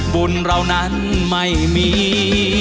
บุญเรานั้นไม่มี